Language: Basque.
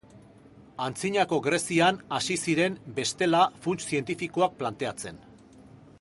Antzinako Grezian hasi ziren bestela funts zientifikoak planteatzen.